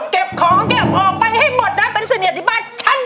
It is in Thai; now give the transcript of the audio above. เก็บของเก็บออกไปให้หมดนะเป็นเสนียดที่บ้านฉัน